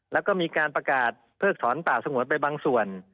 แล้วก็มีการประกาศเพิกถอนป่าสงวนไปบางส่วน